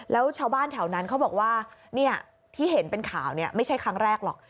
แล้วชาวบ้านแถวนั้นเขาบอกว่าที่เห็นเป็นข่าวไม่ใช่ครั้งแรกหรอก